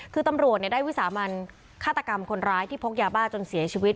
คือตำรวจได้วิสามันฆาตกรรมคนร้ายที่พกยาบ้าจนเสียชีวิต